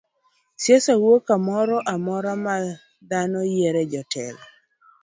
Siasa wuok kamoro amora ma dhano yiero e jotelo.